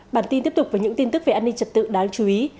bản tin tiếp tục với những tin tức về an ninh trật tự đáng chú ý